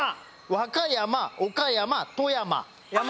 和歌山岡山富山。